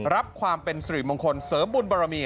รับความเป็นสิริมงคลเสริมบุญบรมี